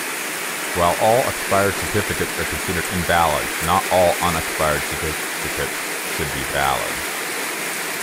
While all expired certificates are considered invalid, not all unexpired certificates should be valid.